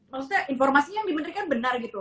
maksudnya informasi yang diberikan benar gitu